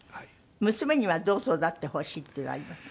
娘にはどう育ってほしいっていうのはあります？